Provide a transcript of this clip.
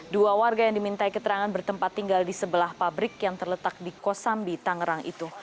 dua warga yang diminta keterangan bertempat tinggal di sebelah pabrik yang terletak di kosambi tangerang itu